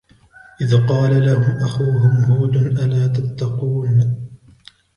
إذ قال لهم أخوهم هود ألا تتقون